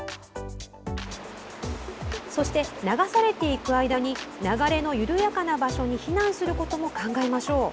そして、流されていく間に流れの緩やかな場所に避難することも考えましょう。